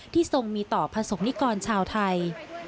ที่ทรงมีต่อผสมนิกรชาวไทย